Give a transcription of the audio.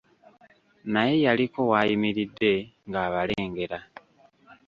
Naye yaliko w'ayimiridde ng'abalengera.